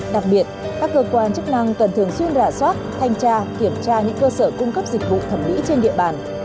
đặc biệt các cơ quan chức năng cần thường xuyên rà soát thanh tra kiểm tra những cơ sở cung cấp dịch vụ thẩm mỹ trên địa bàn